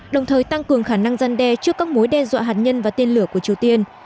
đồng thời tăng cường khả năng gian đe trước các mối đe dọa hạt nhân và tên lửa của triều tiên